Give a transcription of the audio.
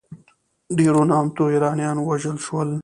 ډېر نامتو ایرانیان ووژل شول.